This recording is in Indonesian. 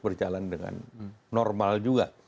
berjalan dengan normal juga